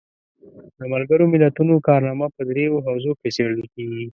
د ملګرو ملتونو کارنامه په دریو حوزو کې څیړل کیږي.